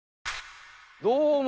どうも。